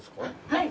はい。